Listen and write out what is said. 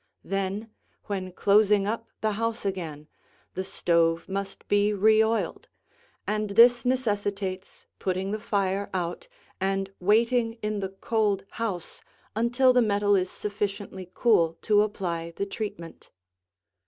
Then, when closing up the house again, the stove must be re oiled, and this necessitates putting the fire out and waiting in the cold house until the metal is sufficiently cool to apply the treatment.